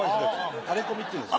タレコミっていうんだそれ。